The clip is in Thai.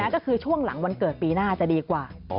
ก็คือช่วงหลังวันเกิดปีหน้าจะดีกว่า